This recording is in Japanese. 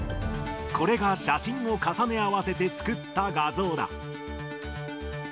これが写真を重ね合わせて作った画像だ。